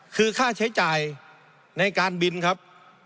คือค่าใช้จ่ายในการบินครับ